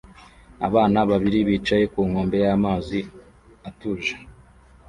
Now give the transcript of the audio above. Abana babiri bicaye ku nkombe y'amazi atuje